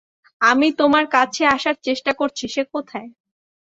আমি তোমার কাছে আসার চেষ্টা করছি - সে কোথায়?